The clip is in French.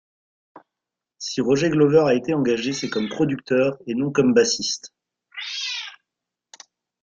Si Roger Glover a été engagé, c'est comme producteur et non comme bassiste.